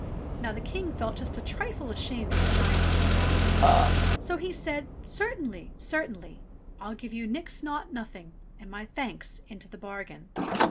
Now the King felt just a trifle ashamed at the giant's generosity; so he said, "Certainly, certainly. I'll give you nix naught nothing and my thanks into the bargain."